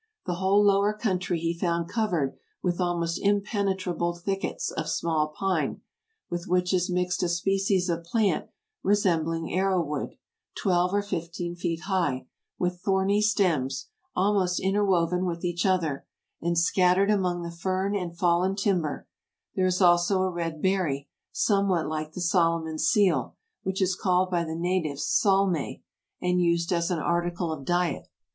The whole lower country he found covered with almost impenetrable thickets of small pine, with which is mixed a species of plant re sembling arrow wood, twelve or fifteen feet high, with thorny stems, almost interwoven with each other, and scattered among the fern and fallen timber ; there is also a red berry, somewhat like the Solomon's seal, which is called by the natives solme, and used as an article of diet.